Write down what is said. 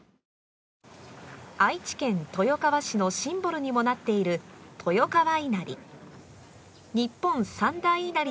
愛知県豊川市のシンボルにもなっている豊川稲荷。